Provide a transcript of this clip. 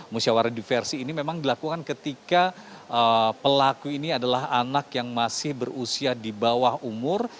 musyawarah diversi ini memang dilakukan ketika pelaku ini adalah anak yang masih berusia di bawah umur